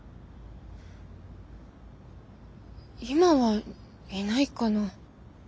今はいないかな。